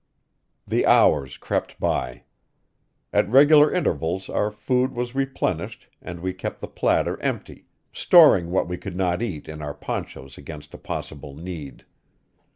The hours crept by. At regular intervals our food was replenished and we kept the platter empty, storing what we could not eat in our ponchos against a possible need.